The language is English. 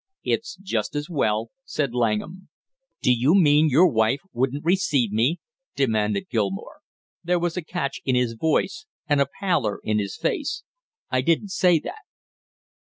"It's just as well," said Langham. "Do you mean your wife wouldn't receive me?" demanded Gilmore. There was a catch in his voice and a pallor in his face. "I didn't say that."